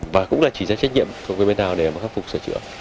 và cũng là chỉ ra trách nhiệm của quốc gia bên nào để khắc phục sở trưởng